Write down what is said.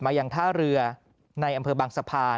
ยังท่าเรือในอำเภอบางสะพาน